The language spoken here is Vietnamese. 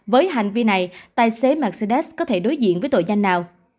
với hành vi này tài xế mercedes có thể đối diện với tội danh nào